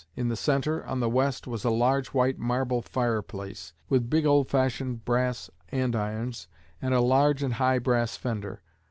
In the centre, on the west, was a large white marble fireplace, with big old fashioned brass andirons, and a large and high brass fender.